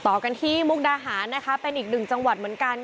ต่อกันที่มุกดาหารนะคะเป็นอีกหนึ่งจังหวัดเหมือนกัน